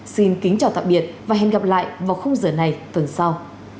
xin kính chào tạm biệt và hẹn gặp lại vào khung giờ này tuần sau